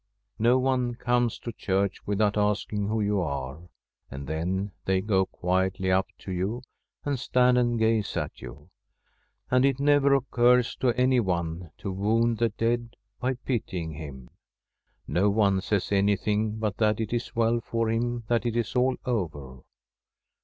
No one comes to church without ask ing who you are, and then they go quietly up to you and stand and gaze at you; and it never occurs to anyone to wound the dead by pitying him. No one says anything but that it is well for him that it is all over.